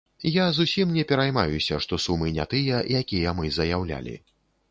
Я зусім не пераймаюся, што сумы не тыя, якія мы заяўлялі.